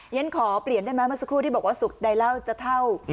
เย้นขอเปลี่ยนได้ไหมมาสักครู่ที่บอกว่าสุขใดเหล้าจะเท่า